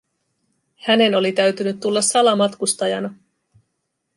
Hänen oli täytynyt tulla salamatkustajana.